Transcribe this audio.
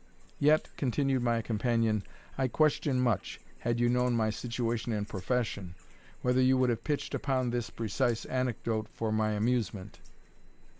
"Yet," continued my companion, "I question much, had you known my situation and profession, whether you would have pitched upon this precise anecdote for my amusement."